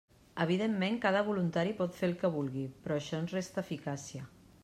Evidentment cada voluntari pot fer el que vulgui, però això ens resta eficàcia.